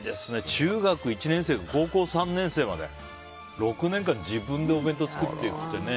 中学１年生から高校３年生まで６年間自分でお弁当作るってね。